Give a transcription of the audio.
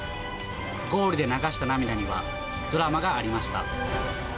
ゴールで流した涙にはドラマがありました。